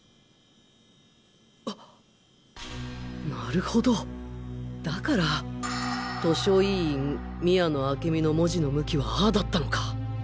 なるほどだから「図書委員宮野明美」の文字の向きはああだったのか！